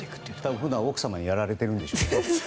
普段、奥様にやられてるんでしょうね。